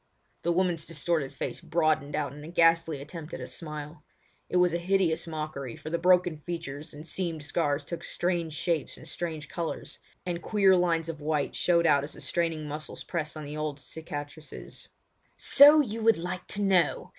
The woman's distorted face broadened out in a ghastly attempt at a smile. It was a hideous mockery, for the broken features and seamed scars took strange shapes and strange colours, and queer lines of white showed out as the straining muscles pressed on the old cicatrices. "So you would like to know!